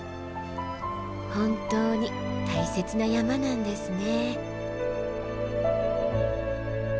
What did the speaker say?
本当に大切な山なんですね。